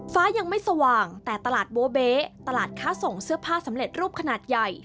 ฟ้ายังไม่สว่างแต่ตลาดโบเบ๊ตลาดค้าส่งเสื้อผ้าสำเร็จรูปขนาดใหญ่